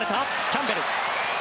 キャンベル。